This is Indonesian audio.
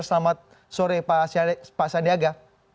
selamat sore pak sandiaga